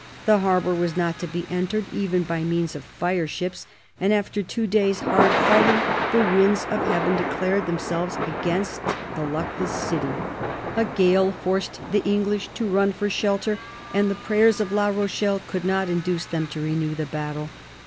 The harbour was not to be entered, even by means of fire ships, and after two days' hard fighting the winds of heaven declared themselves against the luckless city ; a gale forced the English to run for shelter, and the prayers of La Rochelle could not induce them to renew the battle.